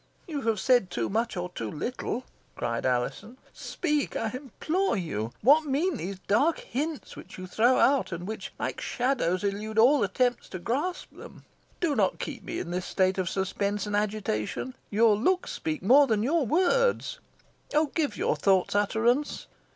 "You have said too much or too little," cried Alizon. "Speak, I implore you. What mean these dark hints which you throw out, and which like shadows elude all attempts to grasp them! Do not keep me in this state of suspense and agitation. Your looks speak more than your words. Oh, give your thoughts utterance!"